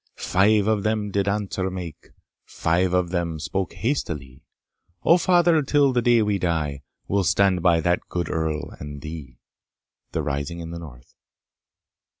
"Five" of them did answer make "Five" of them spoke hastily, "O father, till the day we die, We'll stand by that good Earl and thee." The Rising in the North.